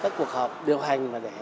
các cuộc họp điều hành